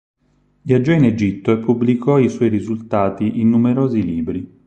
Viaggiò in Egitto e pubblicò i suoi risultati in numerosi libri.